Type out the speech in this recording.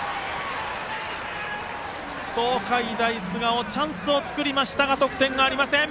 東海大菅生、チャンスを作りましたが得点ありません。